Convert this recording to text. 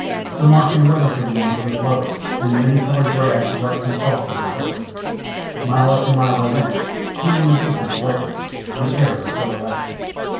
The Martian weather for the moment was lovely and the many coloured grass lush and soft under foot. Mile after mile I went, heeding the distance lightly, the air was so elastic.